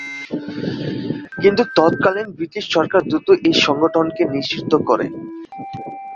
কিন্তু তৎকালীন ব্রিটিশ সরকার দ্রুত এই সংগঠনকে নিষিদ্ধ করে।